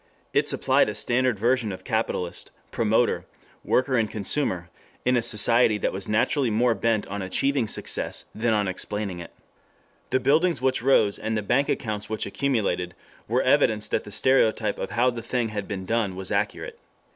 It supplied a standard version of capitalist, promoter, worker and consumer in a society that was naturally more bent on achieving success than on explaining it. The buildings which rose, and the bank accounts which accumulated, were evidence that the stereotype of how the thing had been done was accurate.